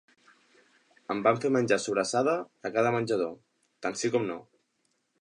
Em van fer menjar sobrassada a cada menjador, tant sí com no.